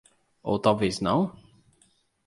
Ou talvez não?